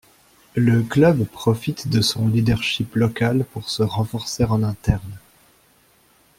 Le club profite de son leadership local pour se renforcer en interne.